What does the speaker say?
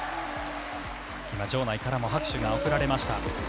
今、場内からも拍手が送られました。